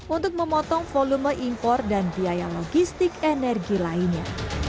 untuk memotong volume impor dan biaya logistik energi lainnya